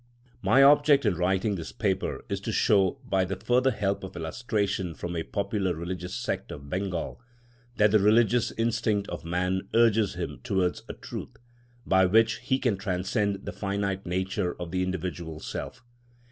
] My object in writing this paper is to show, by the further help of illustration from a popular religious sect of Bengal, that the religious instinct of man urges him towards a truth, by which he can transcend the finite nature of the individual self.